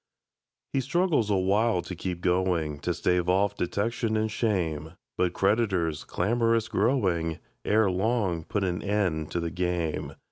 He struggles awhile to keep going, To stave off detection and shame; But creditors, clamorous growing, Ere long put an end to the game.